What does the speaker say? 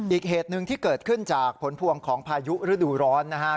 อีกเหตุหนึ่งที่เกิดขึ้นจากผลพวงของพายุฤดูร้อนนะฮะ